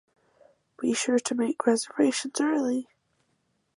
Be sure to make reservations early!